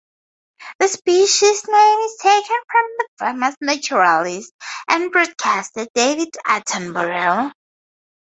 The species name is taken from the famous naturalist and broadcaster David Attenborough.